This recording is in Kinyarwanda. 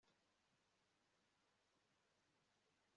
kuyikorera